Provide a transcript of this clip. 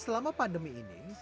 selama pandemi ini